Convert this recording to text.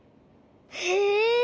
へえ。